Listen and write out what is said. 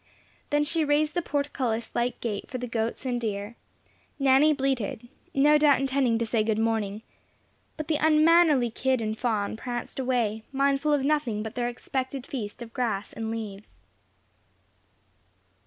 Then she raised the portcullis like gate for the goats and deer; Nanny bleated, no doubt intending to say "good morning," but the unmannerly kid and fawn pranced away, mindful of nothing but their expected feast of grass and leaves.